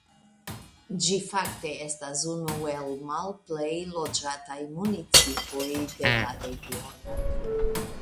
Ĝi fakte estas unu el malplej loĝataj municipoj de la regiono.